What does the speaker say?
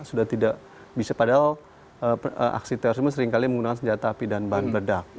padahal aksi tersebut seringkali menggunakan senjata api dan bahan peledak